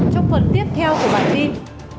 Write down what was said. trong phần tiếp theo của bản tin